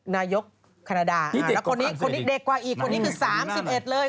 นายกแคนาดาแล้วคนนี้คนนี้เด็กกว่าอีกคนนี้คือ๓๑เลย